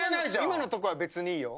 今のとこは別にいいよ。